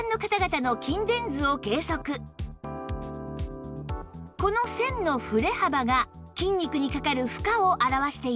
一般のこの線の振れ幅が筋肉にかかる負荷を表しています